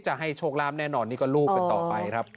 จะให้โชคลาภแน่นอนนี่ก็ลูกกันต่อไปครับ